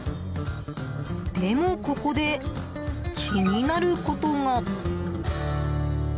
でもここで、気になることが。